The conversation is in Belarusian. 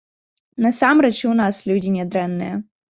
Насамрэч, і ў нас людзі нядрэнныя.